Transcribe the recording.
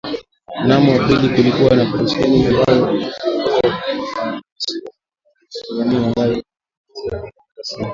Mnamo aprili kulikuwa na operesheni ambayo iliiyoongozwa na wanajeshi wa Tanzania, Malawi, Jamuhuri ya kidemokrasia ya Kongo na Afrika kusini